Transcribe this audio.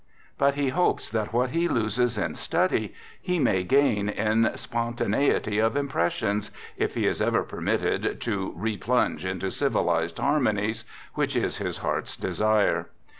But he hopes that what he loses in study he may gain in spontaneity of impressions, if he is ever permitted to " replunge into civilized har monies "— which is his heart's desire.